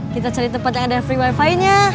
kita cari tempat yang ada free wifi nya